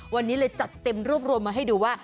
วันนี้เลยจัดเต็มรวบรวมมาให้ดูว่า